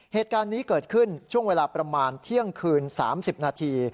เหตุการณ์นี้เกิดขึ้นช่วงเวลาประมาณเที่ยงคืน๓๐นาที